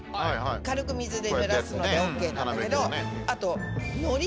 軽く水でぬらすのでＯＫなんだけどあとのり。